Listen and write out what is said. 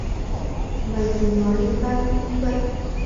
Mày cứ nói linh ta linh tinh vậy